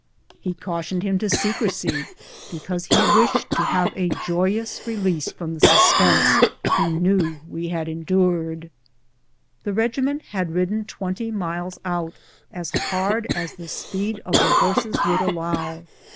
He cautioned him to secrecy, because he wished us to have a joyous release from the suspense he knew we had en dured. The regiment had ridden twenty miles out, as hard as the speed of the horses would allow.